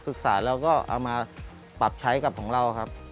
ศึกษาแล้วก็เอามาปรับใช้กับของเราครับ